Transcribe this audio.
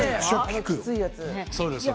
きついやつ。